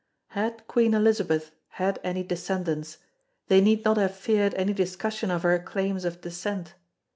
Had Queen Elizabeth had any descendants, they need not have feared any discussion of her claims of descent.